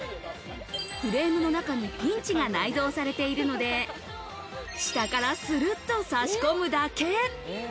フレームの中にピンチが内蔵されているので、下からスルっと差し込むだけ。